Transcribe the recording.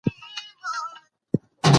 میرویس نیکه د پښتنو د عزت او وقار سمبول دی.